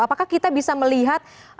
apakah kita bisa melihat